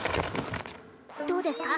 どうですか？